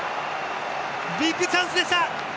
ビッグチャンスでした！